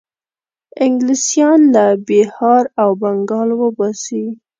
انګلیسیان له بیهار او بنګال وباسي.